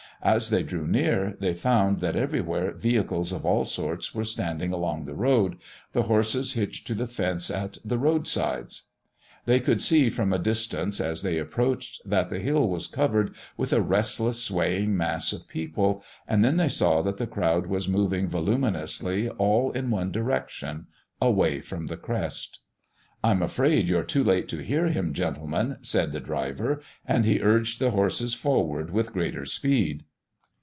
As they drew near they found that everywhere vehicles of all sorts were standing along the road, the horses hitched to the fence at the road sides. They could see from a distance as they approached that the hill was covered with a restless, swaying mass of people, and then they saw that the crowd was moving voluminously all in one direction away from the crest. "I'm afraid you're too late to hear Him, gentlemen," said the driver, and he urged the horses forward with greater speed.